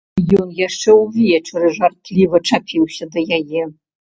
Ён яшчэ ўвечары жартліва чапіўся да яе.